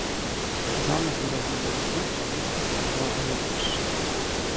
Замак верагодна ўзнік на месцы старога гарадзішча.